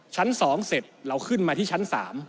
ชั้น๒เสร็จเราขึ้นมาที่ชั้น๓